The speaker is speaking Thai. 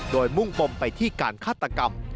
โดยมุ่งปมไปที่การฆาตกรรม